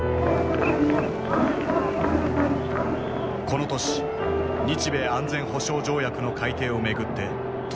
この年日米安全保障条約の改定をめぐって闘争が激化。